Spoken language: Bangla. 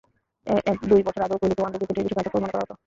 এক-দুই বছর আগেও কোহলিকে ওয়ানডে ক্রিকেটেই বেশি কার্যকর মনে করা হতো।